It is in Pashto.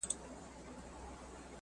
که سوله وي، نو ژوند به ښه وي.